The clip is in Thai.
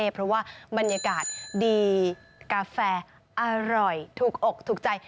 เพราะว่าบรรยากาศดีกาแฟอร่อยถูกอกถูกใจ